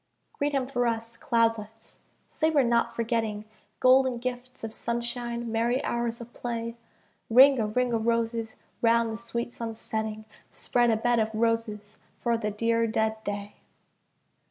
Greet him for us, cloudlets, say we're not forgetting Golden gifts of sunshine, merry hours of play. Ring a ring o' roses round the sweet sun's setting, Spread a bed of roses for the dear dead day.